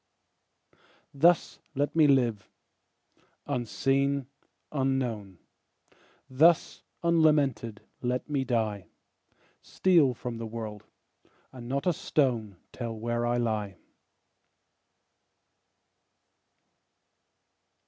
Thus let me live, unseen, unknown; Thus unlamented let me die; Steal from the world, and not a stone Tell where I lie.